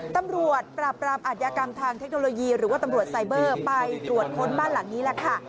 ตำรวจปราบปรามอาทยากรรมทางเทคโนโลยีหรือว่าตำรวจไซเบอร์ไปตรวจค้นบ้านหลังนี้แหละค่ะ